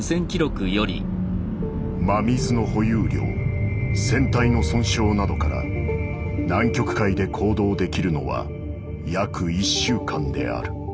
「真水の保有量船体の損傷などから南極海で行動できるのは」。